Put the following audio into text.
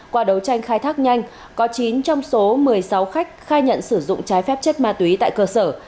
qua đấu tranh khai thác nhanh có chín trong số một mươi sáu khách khai nhận sử dụng trái phép chất ma túy tại cơ sở